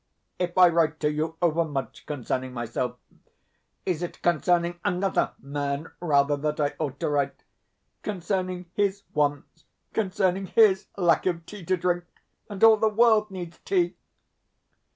If I write to you overmuch concerning myself, is it concerning ANOTHER man, rather, that I ought to write concerning HIS wants, concerning HIS lack of tea to drink (and all the world needs tea)?